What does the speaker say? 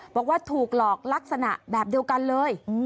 บอกว่าถูกหลอกลักษณะแบบเดียวกันเลย